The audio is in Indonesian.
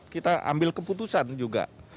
kita ambil keputusan juga